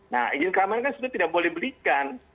nah izin keamanan kan sudah tidak boleh belikan